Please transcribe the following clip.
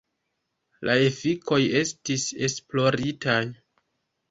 La efikoj estis esploritaj.